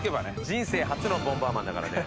人生初の『ボンバーマン』だからね。